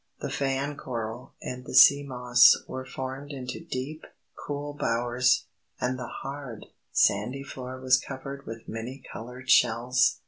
The fan coral and the sea moss were formed into deep, cool bowers. And the hard, sandy floor was covered with many coloured shells.